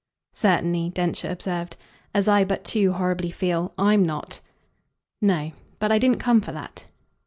"Certainly," Densher observed, "as I but too horribly feel, I'M not." "No. But I didn't come for that."